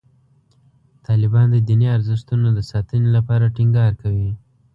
طالبان د دیني ارزښتونو د ساتنې لپاره ټینګار کوي.